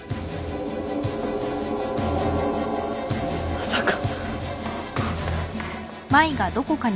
まさか。